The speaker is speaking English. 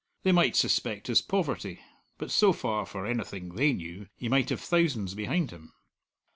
They might suspect his poverty; but so far, for anything they knew, he might have thousands behind him.